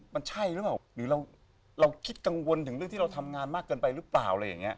มันใช่หรือเปล่าหรือเราคิดกังวลถึงเรื่องที่เราทำงานมากเกินไปหรือเปล่าอะไรอย่างนี้